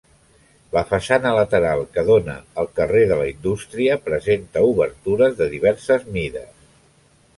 La façana lateral que dóna al carrer de la Indústria, presenta obertures de diverses mides.